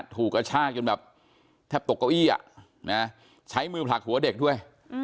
กระชากจนแบบแทบตกเก้าอี้ใช้มือผลักหัวเด็กด้วย